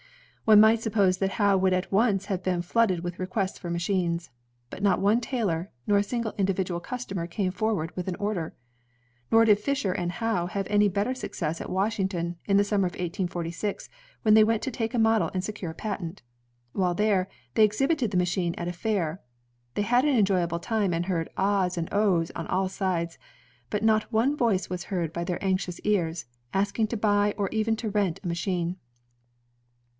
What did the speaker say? One might suppose that Howe would at once have been flooded with requests for machines. But not one tailor, nor a single individual customer came forward with an order. Nor did Fisher and Howe have any better success at Washington, in the summer of 1846, where they went to take a model and secure a patent. While there, they exhibited the machine at a fair. They had an enjoyable time and heard ''Ah's!'' and "Oh's!" on all sides, but not one voice was heard by their anxious ears, asking to buy or even to rent a machine.